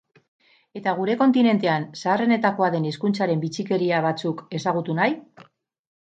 Eta gure kontinentean zaharrenetakoa den hizkuntzaren bitxikeria batzuk ezagutu nahi?